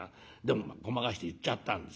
でもごまかして結っちゃったんですよ。